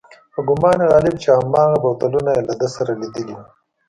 په ګومان غالب چې هماغه بوتلونه یې له ده سره لیدلي و.